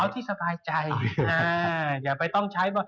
เอาที่สบายใจอย่าไปต้องใช้